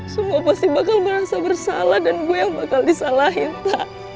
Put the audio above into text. semua pasti bakal merasa bersalah dan gue yang bakal disalahin pak